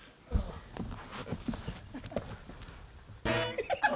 ハハハハ！